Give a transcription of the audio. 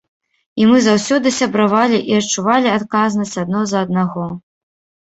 І мы заўсёды сябравалі і адчувалі адказнасць адно за аднаго.